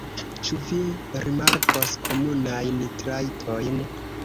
Ĉu vi rimarkos komunajn trajtojn?